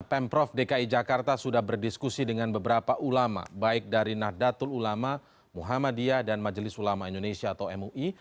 pemprov dki jakarta sudah berdiskusi dengan beberapa ulama baik dari nahdlatul ulama muhammadiyah dan majelis ulama indonesia atau mui